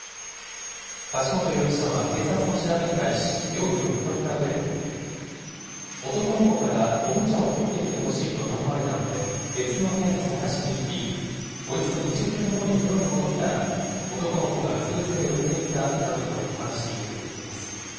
柏本容疑者は警察の調べに対し、容疑を認めたうえで、男の子からおもちゃを取ってきてほしいと頼まれたので、別の部屋に探しに行き、およそ２０分後に風呂に戻ったら、男の子がうつ伏せで浮いていたなどと話しているということです。